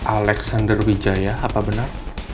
alexander wijaya apa benar